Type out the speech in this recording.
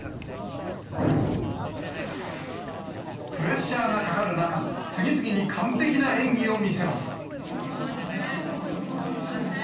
プレッシャーがかかる中、次々に完ぺきな演技を見せます。